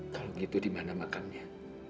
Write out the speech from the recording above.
kalau gitu dimana makamnya